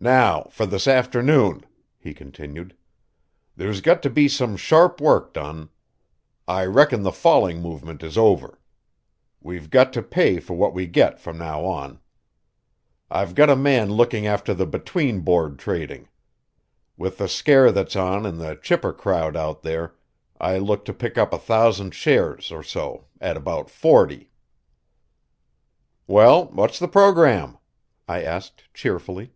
"Now for this afternoon," he continued. "There's got to be some sharp work done. I reckon the falling movement is over. We've got to pay for what we get from now on. I've got a man looking after the between Board trading. With the scare that's on in the chipper crowd out there, I look to pick up a thousand shares or so at about forty." "Well, what's the program?" I asked cheerfully.